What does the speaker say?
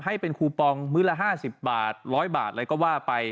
ให้เป็นคูปองมื้อละ๕๐บาท๑๐๐บาทอะไรก็ว่าไป